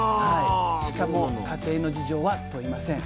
しかも家庭の事情は問いません。